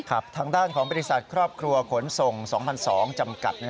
ทางด้านของบริษัทครอบครัวขนส่ง๒๐๐๒๐๐จำกัด